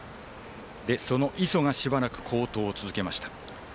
磯がしばらく好投を続けました。